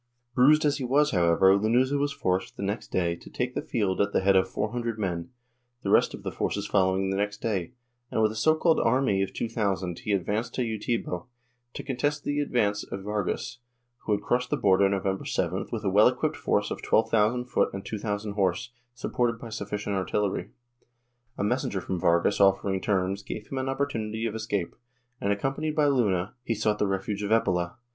Bruised as he was, however, Lanuza was forced, the next day, to take the field at the head of four hundred men, the rest of the forces following the next day, and with a so called army of two thousand he advanced to Utebo, to contest the advance of Vargas, who had crossed the border November 7th with a well equipped force of twelve thousand foot and two thousand horse, supported by sufficient artillery. A messenger from Vargas offering terms gave him an opportunity of escape and, accompanied by Luna, he sought the refuge of Epila.